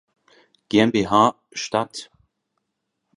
GmbH statt.